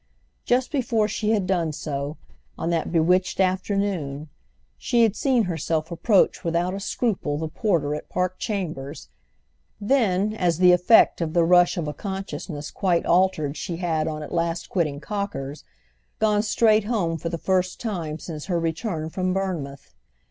Just before she had done so, on that bewitched afternoon, she had seen herself approach without a scruple the porter at Park Chambers; then as the effect of the rush of a consciousness quite altered she had on at last quitting Cocker's, gone straight home for the first time since her return from Bournemouth.